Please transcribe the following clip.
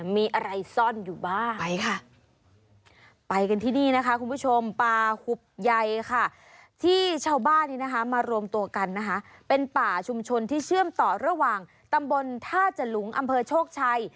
มารวมตัวกันเป็นป่าชุมชนที่เชื่อมต่อระหว่างตำบลท่าจรุงอำเภอโชคชัย